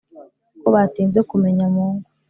ko batinze kumenya mungu.